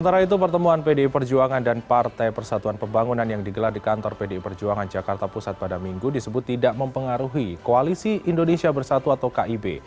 sementara itu pertemuan pdi perjuangan dan partai persatuan pembangunan yang digelar di kantor pdi perjuangan jakarta pusat pada minggu disebut tidak mempengaruhi koalisi indonesia bersatu atau kib